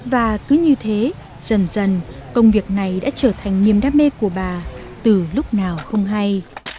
và cứ như thế dần dần công việc này đã trở thành niềm đam mê của bà từ lúc nào không hay